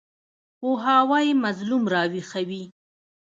پوهاوی مظلوم راویښوي.